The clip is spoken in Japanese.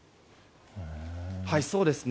そうですね。